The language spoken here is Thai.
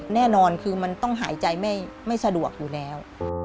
แน่นอนคือมันต้องหายใจไม่สะดวกอยู่แล้ว